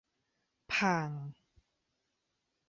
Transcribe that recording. ผ่าง !